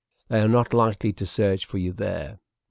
They are not likely to search for you there."